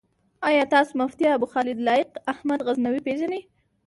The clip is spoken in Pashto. آيا تاسو مفتي ابوخالد لائق احمد غزنوي پيژنئ؟